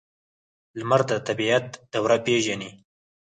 لمر د طبیعت دوره پیژني.